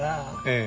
ええ。